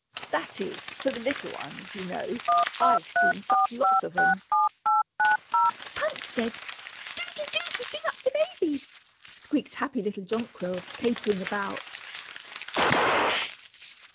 "That is, for the little ones, you know; I've seen such lots of 'em." "Punch said, 'Doody, Doody, bing up de baby,'" squeaked happy little Jonquil, capering about.